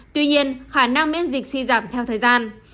tuy nhiên khả năng miễn dịch suy giảm theo thời gian